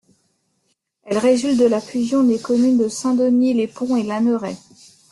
Elle résulte de la fusion des communes de Saint-Denis-les-Ponts et Lanneray.